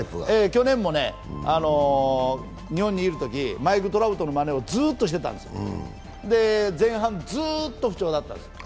去年も日本にいるとき、マイク・トラウトのまねをずーっとしてたんです、前半、ずっと不調だったんです。